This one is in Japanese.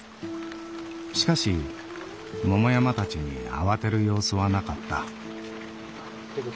しかし桃山たちに慌てる様子はなかった。